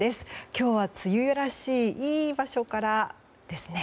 今日は、梅雨らしいいい場所からですね。